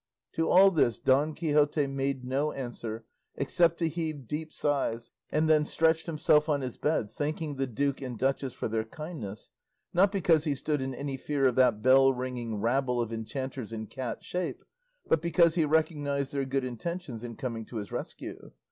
To all this Don Quixote made no answer except to heave deep sighs, and then stretched himself on his bed, thanking the duke and duchess for their kindness, not because he stood in any fear of that bell ringing rabble of enchanters in cat shape, but because he recognised their good intentions in coming to his rescue.